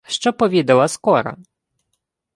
— Що повідала скора?